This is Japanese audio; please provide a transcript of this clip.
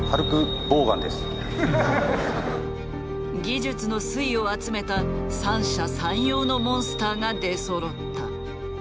技術の粋を集めた三者三様のモンスターが出そろった。